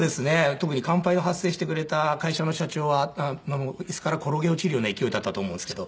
特に乾杯の発声してくれた会社の社長は椅子から転げ落ちるような勢いだったと思うんですけど。